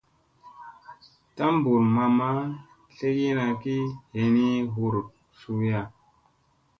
Tambur mamma tlegina ki henii huruɗ suuya.